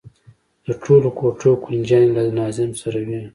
د ټولو کوټو کونجيانې له ناظم سره وي.